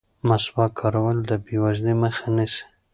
مسواک کارول د بې وزلۍ مخه نیسي.